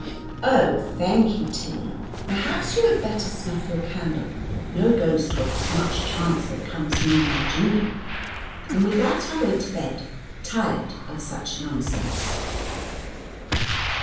"Oh, thank you, Tilly. Perhaps you had better snuff your candle. No ghost will have much chance that comes near my Judy." And with that I went to bed, tired of such nonsense.